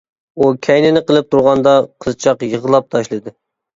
ئۇ كەينىنى قىلىپ تۇرغاندا، قىزچاق يىغلاپ تاشلىدى.